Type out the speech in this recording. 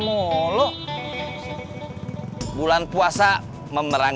tunggu apa ini